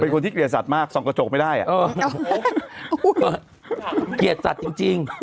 คนที่เกลียดสัตว์มากส่องกระจกไม่ได้อ่ะเออเกลียดสัตว์จริงจริง